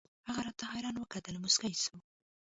هغه راته حيران وكتل موسكى سو.